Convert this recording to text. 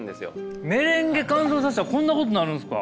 メレンゲ乾燥させたらこんなことになるんですか。